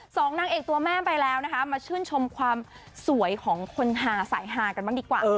สองนางเอกตัวแม่ไปแล้วนะคะมาชื่นชมความสวยของคนฮาสายฮากันบ้างดีกว่า